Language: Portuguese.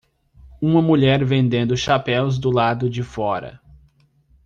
Uma mulher vendendo chapéus do lado de fora.